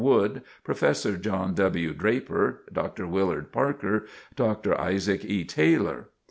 Wood, Prof. John W. Draper, Dr. Willard Parker, Dr. Isaac E. Taylor.